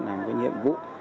làm nhiệm vụ